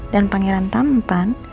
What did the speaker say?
dan pangeran tampan